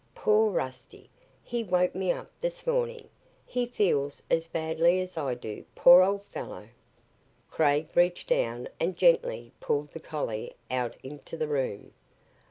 "Poor Rusty. He woke me up this morning. He feels as badly as I do, poor old fellow." Craig reached down and gently pulled the collie out into the room.